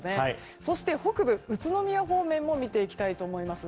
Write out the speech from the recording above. そして、北部、宇都宮方面も見ていきたいと思います。